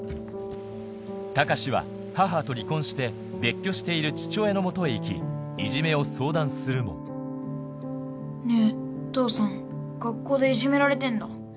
高志は母と離婚して別居している父親の元へ行きいじめを相談するもねぇ父さん学校でいじめられてんだ。